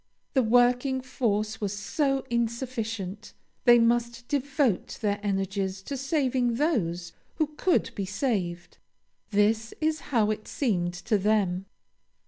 The working force was so insufficient, they must devote their energies to saving those who could be saved; this is how it seemed to them.